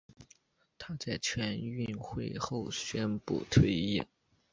她在全运会后宣布退役。